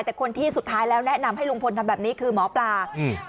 แต่คนที่สุดท้ายแล้วแนะนำให้ลุงพลทำแบบนี้คือหมอปลาอืม